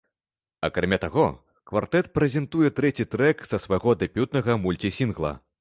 Акрамя таго, квартэт прэзентуе трэці трэк са свайго дэбютнага мульці-сінгла.